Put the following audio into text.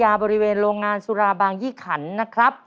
บริเวณโรงงานสุราบางยี่ขันนะครับ